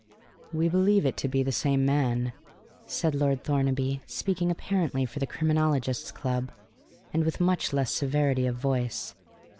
"We believe it to be the same man," said Lord Thornaby, speaking apparently for the Criminologists' Club, and with much less severity of voice.